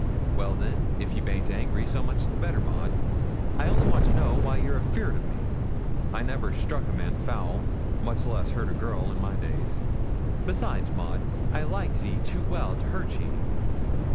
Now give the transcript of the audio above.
'Well then, if ye baint angry, so much the better, Maud. I only want to know why you're afeard o' me. I never struck a man foul, much less hurt a girl, in my days; besides, Maud, I likes ye too well to hurt ye.